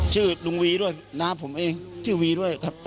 ชื่อลุงวีด้วยน้าผมเองชื่อวีด้วยครับ